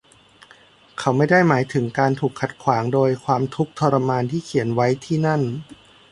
เขาไม่ได้หมายถึงการถูกขัดขวางโดยความทุกข์ทรมานที่เขียนไว้ที่นั่น